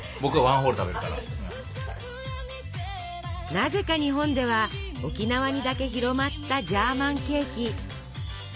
なぜか日本では沖縄にだけ広まったジャーマンケーキ。